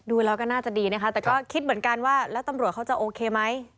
ดูแล้วก็น่าจะดีนะคะแต่ก็คิดเหมือนกันว่าแล้วตำรวจเขาจะโอเคไหม